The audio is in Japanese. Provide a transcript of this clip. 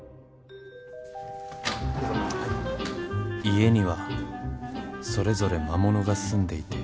［家にはそれぞれ魔物が住んでいて。］